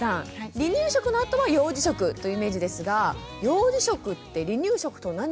離乳食のあとは幼児食というイメージですが幼児食って離乳食と何が違うんですか？